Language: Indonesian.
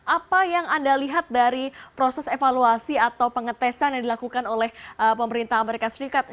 apa yang anda lihat dari proses evaluasi atau pengetesan yang dilakukan oleh pemerintah amerika serikat